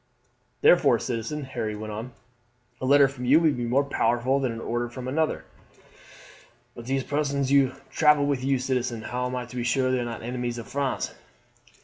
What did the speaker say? "Therefore, citizen," Harry went on, "a letter from you would be more powerful than an order from another." "But these persons who travel with you, citizen how am I to be sure they are not enemies of France?"